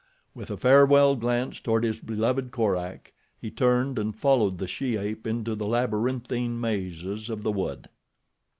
With a farewell glance toward his beloved Korak he turned and followed the she ape into the labyrinthine mazes of the wood.